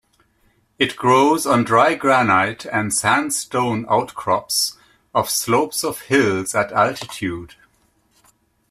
It grows on dry granite and sandstone outcrops of slopes of hills at altitude.